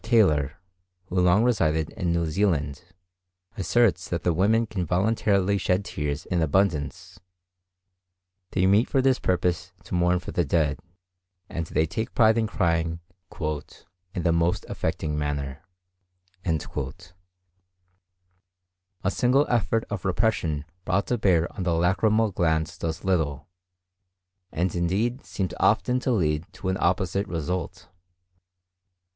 Taylor, who long resided in New Zealand, asserts that the women can voluntarily shed tears in abundance; they meet for this purpose to mourn for the dead, and they take pride in crying "in the most affecting manner." A single effort of repression brought to bear on the lacrymal glands does little, and indeed seems often to lead to an opposite result.